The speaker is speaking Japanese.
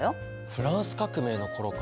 フランス革命の頃か。